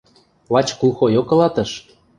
Лач клухойок ылатыш...